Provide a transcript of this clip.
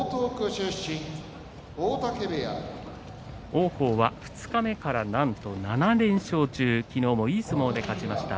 王鵬は二日目からはなんと７連勝中昨日もいい相撲で勝ちました。